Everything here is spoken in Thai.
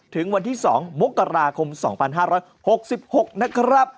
ถึงวันที่๒มกราคม๒๕๖๖นะครับ